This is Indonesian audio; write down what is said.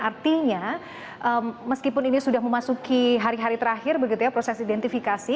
artinya meskipun ini sudah memasuki hari hari terakhir begitu ya proses identifikasi